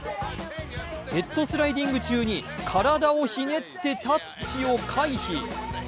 ヘッドスライディング中に体をひねってタッチを回避。